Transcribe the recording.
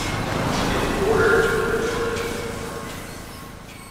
It borders Bloomfield and East Orange.